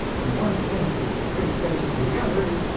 From one end of the Great Desert to the other is 3,200.